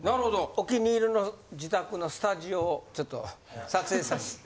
お気に入りの自宅のスタジオをちょっと撮影させて。